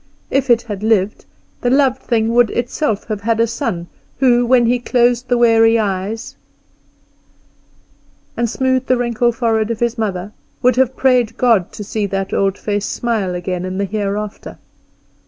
If it had lived the loved thing would itself have had a son, who, when he closed the weary eyes and smoothed the wrinkled forehead of his mother, would have prayed God to see that old face smile again in the Hereafter.